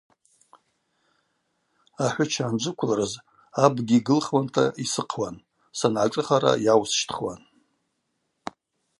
Ахӏвыча анджвыквылрыз абгьи гылхуанта йсыхъуан, сангӏашӏыхара йаусщтхуан.